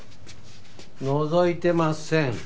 のぞいてません。